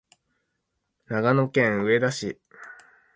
長野県上田市